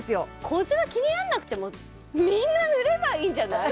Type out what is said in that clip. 小じわ気になんなくてもみんな塗ればいいんじゃない？